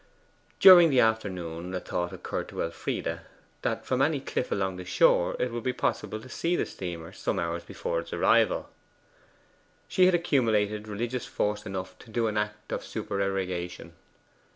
During the afternoon a thought occurred to Elfride, that from any cliff along the shore it would be possible to see the steamer some hours before its arrival. She had accumulated religious force enough to do an act of supererogation.